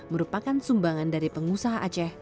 merupakan sumbangan dari pengusaha aceh